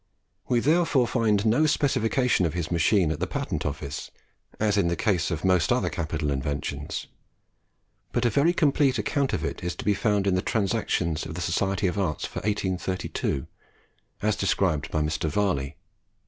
We therefore find no specification of his machine at the Patent Office, as in the case of most other capital inventions; but a very complete account of it is to be found in the Transactions of the Society of Arts for 1832, as described by Mr. Varley.